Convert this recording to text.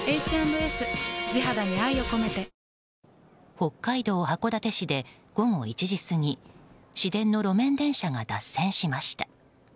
北海道函館市で午後１時過ぎ市電の路面電車が脱線しました。